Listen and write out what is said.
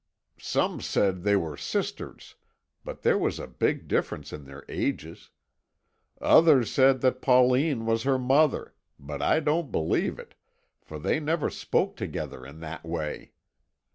"Some said they were sisters, but there was a big difference in their ages. Others said that Pauline was her mother, but I don't believe it, for they never spoke together in that way.